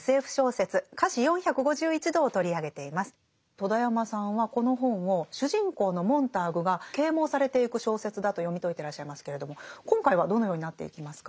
戸田山さんはこの本を主人公のモンターグが啓蒙されていく小説だと読み解いてらっしゃいますけれども今回はどのようになっていきますか？